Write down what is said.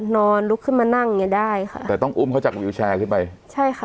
นอนลุกขึ้นมานั่งอย่างเงี้ได้ค่ะแต่ต้องอุ้มเขาจากวิวแชร์ขึ้นไปใช่ค่ะ